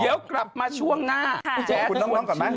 ทีน่ารักของเรา